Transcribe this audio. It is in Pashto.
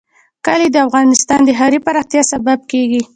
کلي د افغانستان د ښاري پراختیا سبب کېږي.